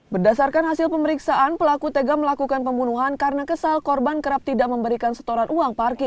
berdasarkan hasil pemeriksaan pelaku tega melakukan pembunuhan karena kesal korban kerap tidak memberikan setoran uang parkir